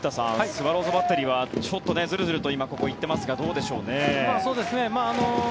スワローズバッテリーはちょっとずるずると行っていますがどうでしょうね。